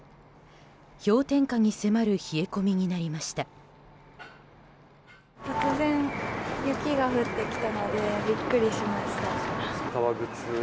氷点下に迫る冷え込みになりました。